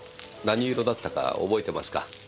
何色だったか覚えてますか？